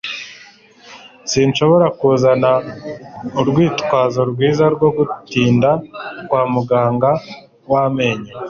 sinshobora kuzana urwitwazo rwiza rwo gutinda kwa muganga w amenyo